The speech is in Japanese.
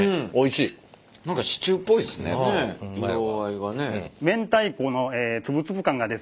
ねっ色合いがね。